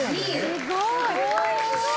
「すごい！」